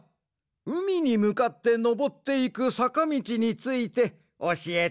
うみにむかってのぼっていくさかみちについておしえてくれ。